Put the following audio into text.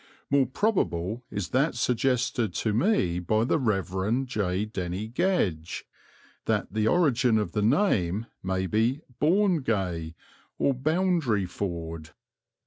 More probable is that suggested to me by the Rev. J. Denny Gedge, that the origin of the name may be Bourne gay or Boundary Ford.